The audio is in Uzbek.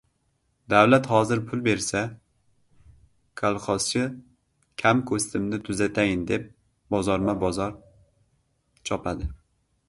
Davlat hozir pul bersa, kolxozchi kam-ko‘stimni tuzatayin deb, bozorma-bozor chopadi.